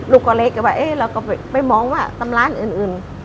ลูกก็เล็กก็ว่าเอ๊ะเราก็ไปมองว่าตำร้านอื่น